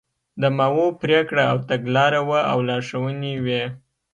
د ماوو پرېکړه او تګلاره وه او لارښوونې وې.